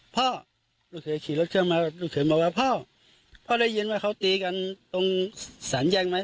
พ่อลูกเขยขี่รถเครื่องมาลูกเขยบอกว่าพ่อพ่อได้ยินว่าเขาตีกันตรงสามแยกไหม